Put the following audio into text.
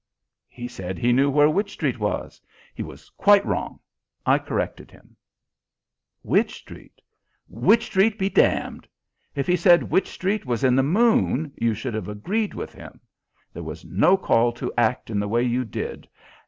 "He said he knew where Wych Street was. He was quite wrong. I corrected him." "Wych Street! Wych Street be damned! If he said Wych Street was in the moon, you should have agreed with him. There was no call to act in the way you did.